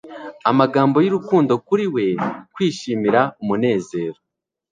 Amagambo y'urukundo Kuri We kwishimira umunezero